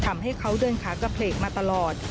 ทำให้เขาเดินขากระเพลกมาตลอด